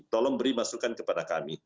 tolong beri masukan kepada kami